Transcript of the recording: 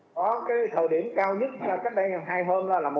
và việc thực hiện triển khai các biện pháp đó